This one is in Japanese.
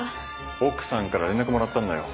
奥さんから連絡もらったんだよ。